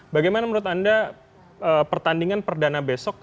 bagaimana menurut anda pertandingan perdana besok